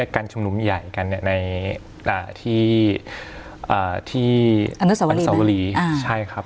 การชุมนุมใหญ่กันในที่อนุสวรีใช่ครับ